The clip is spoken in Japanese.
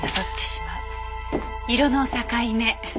色の境目。